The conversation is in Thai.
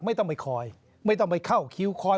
ไม่ต้องไปคอยไม่ต้องไปเข้าคิวคอย